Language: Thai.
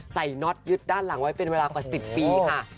น็อตยึดด้านหลังไว้เป็นเวลากว่า๑๐ปีค่ะ